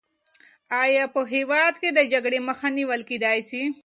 آیا په هېواد کې د جګړې مخه نیول کېدای سي؟